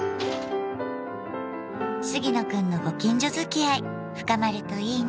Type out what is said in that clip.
杉野くんのご近所づきあい深まるといいね。